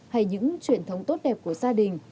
hay những truyền thống tốt đẹp của gia đình